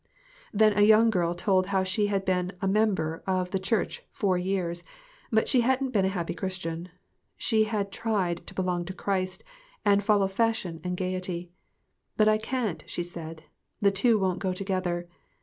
Then a young girl told how she had been a member of the church four years, but she hadn't been a happy Christian. She had tried to belong to Christ, and follow fashion and gaiety. "But I can't," she said; "the two won't go together."